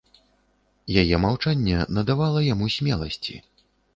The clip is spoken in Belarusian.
Яе маўчанне надавала яму смеласці.